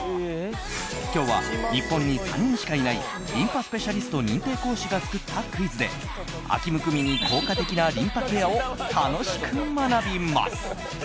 今日は、日本に３人しかいないリンパスペシャリスト認定講師が作ったクイズで秋むくみに効果的なリンパケアを楽しく学びます。